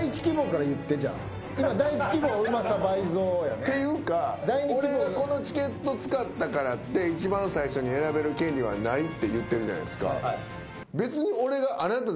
っていうか俺がこのチケット使ったからって一番最初に選べる権利はないって言ってるじゃないですか。